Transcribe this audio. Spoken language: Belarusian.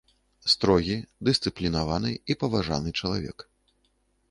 Строгі, дысцыплінаваны і паважаны чалавек.